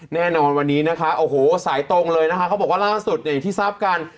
แน่นอนวันนี้นะคะโอ้โหสายตรงเลยนะคะเขาบอกว่าล่าสุดเนี่ยอย่างที่ทราบกัน